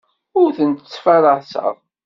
Ur tent-ttfaraseɣ.